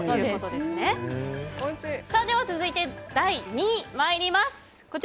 では続いて第２位に参ります。